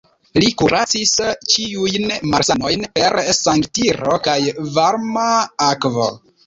Li kuracis ĉiujn malsanojn per sangeltiro kaj varma akvo.